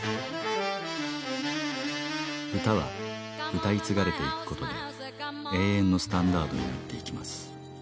歌は歌い継がれていく事で永遠のスタンダードになっていきます。